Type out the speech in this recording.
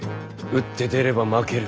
打って出れば負ける。